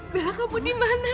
bella kamu dimana nda